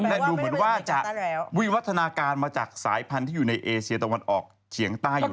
และดูเหมือนว่าจะวิวัฒนาการมาจากสายพันธุ์ที่อยู่ในเอเชียตะวันออกเฉียงใต้อยู่